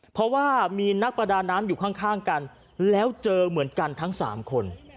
เพราะว่ามีนักประดาน้ำอยู่ข้างกันแล้วเจอเหมือนกันทั้ง๓คน